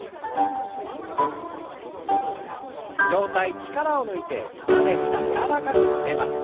上体力を抜いて斜め下柔らかく曲げます。